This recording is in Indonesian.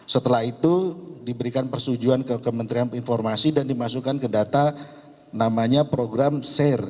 setelah itu diberikan persetujuan ke kementerian informasi dan dimasukkan ke data namanya program ser